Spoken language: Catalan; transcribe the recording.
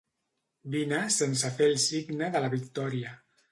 Vine sense fer el signe de la victòria.